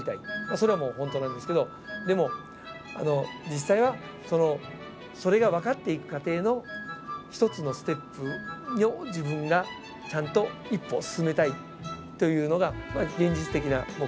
それは本当なんですけどでも実際はそれが分かっていく過程の１つのステップを自分がちゃんと１歩進めたいというのが現実的な目標ですよね。